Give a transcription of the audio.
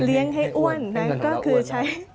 เลี้ยงให้อ้วนก็คือใช้